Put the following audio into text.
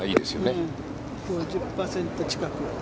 ５０％近く。